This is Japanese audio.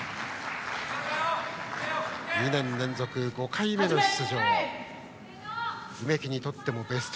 ２年連続、５回目の出場。